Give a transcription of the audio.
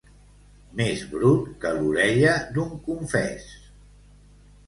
Més brut que l'orella d'un confés.